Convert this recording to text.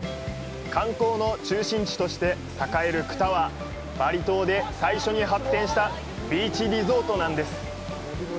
観光の中心地として栄えるクタはバリ島で最初に発展したビーチリゾートなんです。